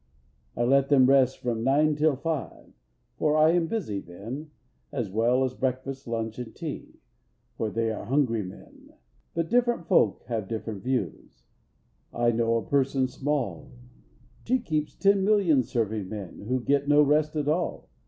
I let them rest from nine till five. For I am busy then, As well as breakfast, lunch, and tea, For they are hungry men: But different folk have different views: I know a person small She keeps ten million serving men, Who get no rest at all!